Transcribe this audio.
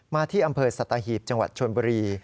ที่อำเภอสัตหีบจังหวัดชนบุรี